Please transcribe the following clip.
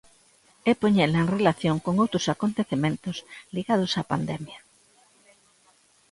E poñela en relación con outros acontecementos ligados á pandemia.